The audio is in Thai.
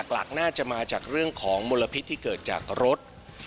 หลักน่าจะมาจากเรื่องของมลพิษที่เกิดจากรถ